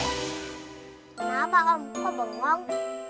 kenapa om kok bengong